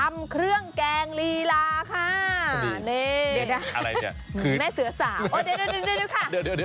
อะไรเนี่ยแม่เสือสาโอ้เดี๋ยวค่ะ